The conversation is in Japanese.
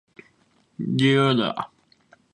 自由だ